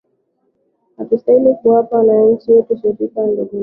hatustahili kuwapa wananchi wetu serikali ya kiwango kidogo